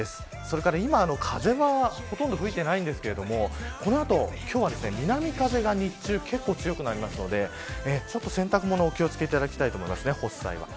それから今、風はほとんど吹いていないんですがこの後今日は、南風が日中、結構強くなりますので洗濯物お気を付けいただきたいと思います。